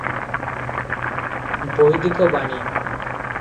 ବୈଦିକ ବାଣୀ